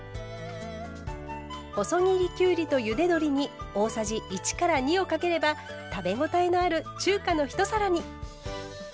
細切りきゅうりとゆで鶏に大さじ１から２をかければ食べ応えのある中華の一皿に。